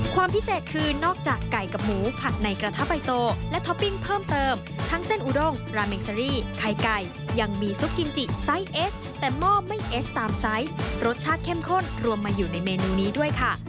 ความพิเศษคือนอกจากไก่กับหมูผัดในกระทะใบโตและท็อปปิ้งเพิ่มเติมทั้งเส้นอุดงราเมงเซอรี่ไข่ไก่ยังมีซุปกิมจิไซส์เอสแต่หม้อไม่เอสตามไซส์รสชาติเข้มข้นรวมมาอยู่ในเมนูนี้ด้วยค่ะ